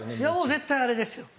絶対あれですよ！